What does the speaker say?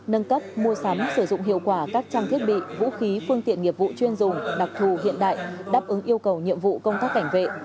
nâng cấp mua sắm sử dụng hiệu quả các trang thiết bị vũ khí phương tiện nghiệp vụ chuyên dùng đặc thù hiện đại đáp ứng yêu cầu nhiệm vụ công tác cảnh vệ